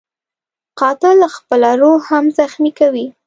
قاتل خپله روح هم زخمي کوي